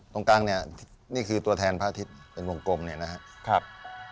ตรงกลางเนี่ยนี่คือตัวแทนพระอาทิตย์เป็นวงกลมเนี่ยนะครับ